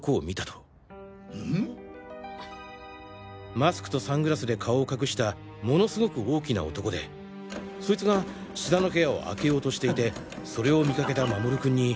マスクとサングラスで顔を隠した物凄く大きな男でそいつが志田の部屋を開けようとしていてそれを見かけた守君に。